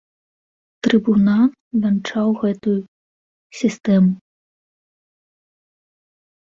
Трыбунал вянчаў гэтую сістэму.